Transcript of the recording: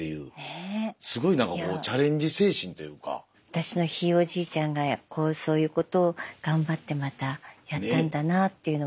私のひいおじいちゃんがそういうことを頑張ってまたやったんだなというのも。